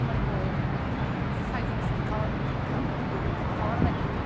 サイズもそんなに変わらないというか。